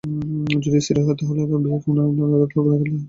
যদি স্ত্রী হয়, তাহলে তাদের বিয়ের কাবিননামা আদালতে দাখিল করতে হবে।